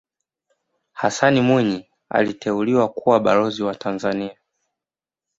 hassan mwinyi aliteuliwa kuwa balozi wa tanzania